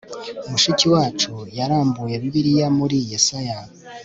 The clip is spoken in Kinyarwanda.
mushiki wacu yarambuye bibiliya muri yesaya